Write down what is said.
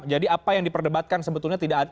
jadi apa yang diperdebatkan sebetulnya tidak